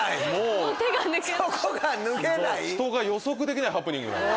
人が予測できないハプニングが。